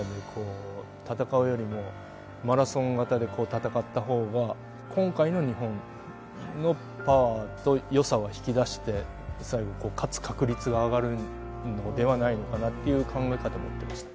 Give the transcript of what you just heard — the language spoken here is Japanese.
陸上で言うと今回の日本のパワーと良さは引き出して最後勝つ確率が上がるのではないのかなっていう考え方を持ってました。